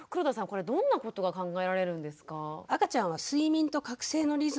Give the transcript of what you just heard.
これどんなことが考えられるんですか？